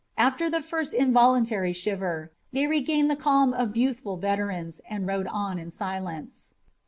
After the first involuntary shiver they regained the calm of youthful veterans and rode on in silence.